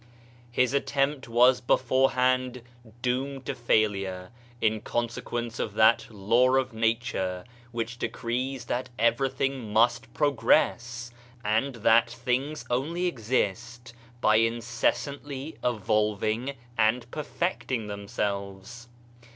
His attempt was beforehand doomed to failure, in consequence of that law of nature which decrees that everything must progress, and that things only exist by incessantly evolving and perfecting themselves.